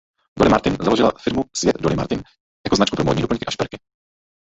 Dolly Martin založila firmu Svět Dolly Martin jako značku pro módní doplňky a šperky.